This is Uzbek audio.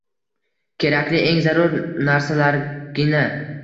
Kerakli, eng zarur narsalargina